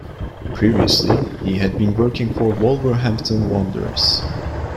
Previously he had been working for Wolverhampton Wanderers.